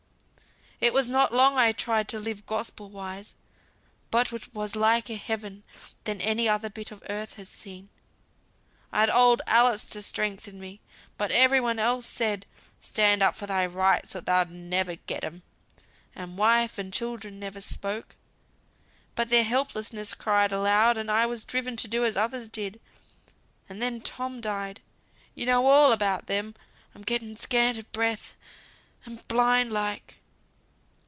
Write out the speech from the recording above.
"It was not long I tried to live Gospel wise, but it was liker heaven than any other bit of earth has been. I'd old Alice to strengthen me; but every one else said, 'Stand up for thy rights, or thou'lt never get 'em;' and wife and children never spoke, but their helplessness cried aloud, and I was driven to do as others did, and then Tom died. You know all about that I'm getting scant o' breath, and blind like."